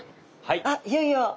あっいよいよ。